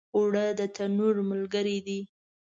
اوړه د تنور ملګری دي